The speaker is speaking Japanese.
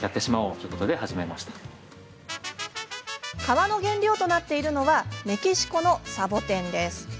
革の原料となっているのはメキシコのサボテンです。